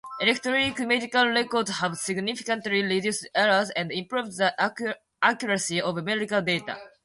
Electronic medical records have significantly reduced errors and improved the accuracy of medical data.